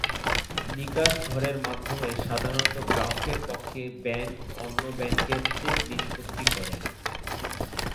নিকাশ ঘরের মাধ্যমে সাধারণত গ্রাহকের পক্ষে ব্যাংক অন্য ব্যাংকের চেক নিষ্পত্তি করে।